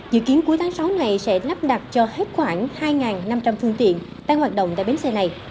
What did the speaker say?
dự kiến cuối tháng sáu này sẽ lắp đặt cho hết khoảng hai năm trăm linh phương tiện đang hoạt động tại bến xe này